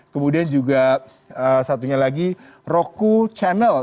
kemudian juga satunya lagi roku channel